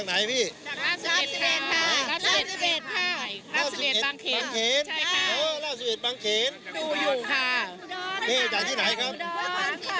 นี่มาจากไหนครับ